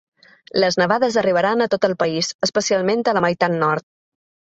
Les nevades arribaran a tot el país, especialment a la meitat nord.